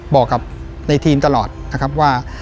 บอกกับในทีมตลอดนะครับว่า